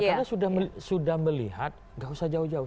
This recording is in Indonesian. karena sudah melihat gak usah jauh jauh